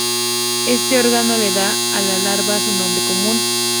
Este órgano le da a la larva su nombre común.